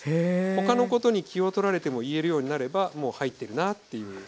他のことに気をとられても言えるようになればもう入ってるなっていう目安で。